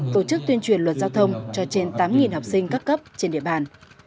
tổ chức tuyên truyền luật giao thông cho trên tám học sinh các cấp trên địa bàn